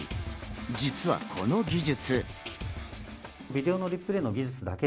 実は、この技術。